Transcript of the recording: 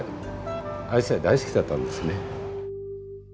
アジサイ大好きだったんですね。